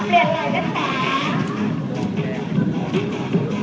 เปลี่ยนไหล่ด้วยค่ะ